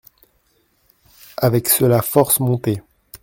Avec cela force montées.